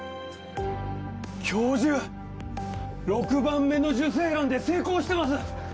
教授６番目の受精卵で成功してます！